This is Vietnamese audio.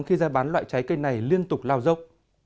khi ra bán loại trái cây này liên tục lao dốc